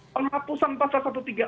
penghapusan pasal satu ratus tiga puluh enam